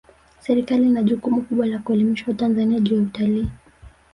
serikali ina jukumu kubwa la kuelimisha watanzania juu ya utalii